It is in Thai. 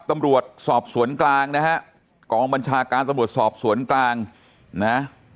ตำรวจสอบสวนกลางนะฮะกองบัญชาการตำรวจสอบสวนกลางนะ